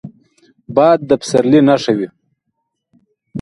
باد د پسرلي نښه وي